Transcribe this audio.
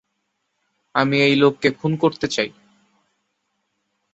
আমি এই লোককে খুন করতে চাই।